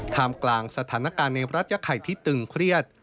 มกลางสถานการณ์ในรัฐยาไข่ที่ตึงเครียด